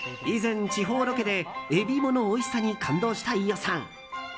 以前、地方ロケでエビイモのおいしさに感動した飯尾さん。